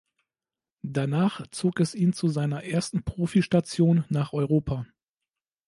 Danach zog es ihn zu seiner ersten Profistation nach Europa.